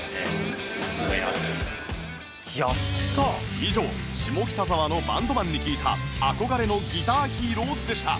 以上下北沢のバンドマンに聞いた憧れのギターヒーローでした